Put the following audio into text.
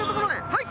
はい！